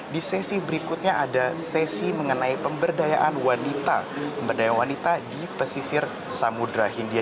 di sesi berikutnya ada sesi mengenai pemberdayaan wanita di pesisir semudra hindia